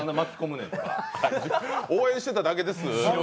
応援してただけですぅ。